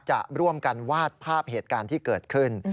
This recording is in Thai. จะร่วมกันวาดภาพเหตุการณ์ที่เกิดขึ้น